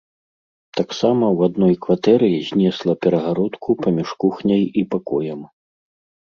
Таксама ў адной кватэры знесла перагародку паміж кухняй і пакоем.